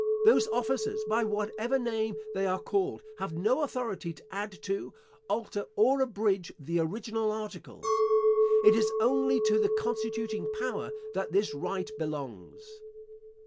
Those officers, by whatever name they are called, have no authority to add to, alter, or abridge the original articles. It is only to the constituting power that this right belongs.